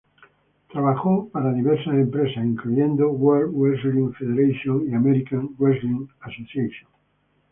Trabajó para diversas empresas incluyendo World Wrestling Federation y American Wrestling Association.